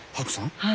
はい。